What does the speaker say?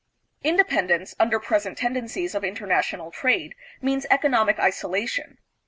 Independence, under present tendencies of international trade, means economic isolation.